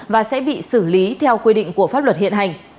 và sẽ bị xử lý theo quy định của pháp luật hiện hành